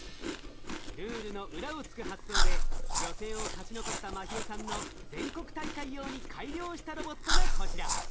ルールの裏を突く発想で予選を勝ち残った茉尋さんの全国大会用に改良したロボットがこちら。